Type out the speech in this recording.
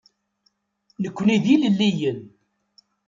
Nekkni d ilelliyen.